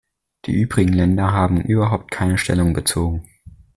Die übrigen Länder haben überhaupt keine Stellung bezogen.